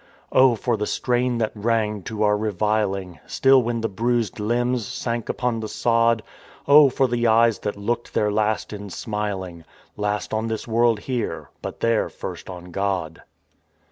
O! for the strain that rang to our reviling Still when the bruised limbs sank upon the sod, O ! for the eyes that looked their last in smiling. Last on this world here, but there first on God."